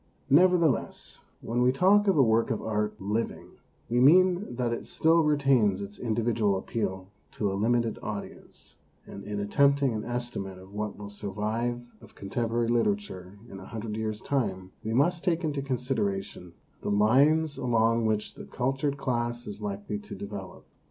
Nevertheless, when we talk of a work of 182 MONOLOGUES art living, we mean that it still retains its individual appeal to a limited audience, and in attempting an estimate of what will sur vive of contemporary literature in a hundred years' time we must take into consideration the lines along which the cultured class is likely to develop.